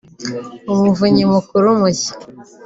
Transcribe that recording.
Umuvunyi Mukuru mushya